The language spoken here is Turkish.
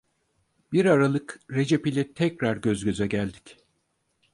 Bir aralık Recep ile tekrar göz göze geldik.